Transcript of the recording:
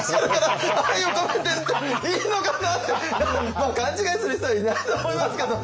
まあ勘違いする人はいないと思いますけどね。